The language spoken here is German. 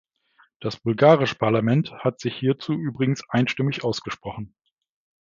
Das bulgarische Parlament hat sich hierzu übrigens einstimmig ausgesprochen.